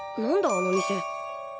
あの店。